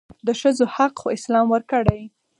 دښځو حق خواسلام ورکړي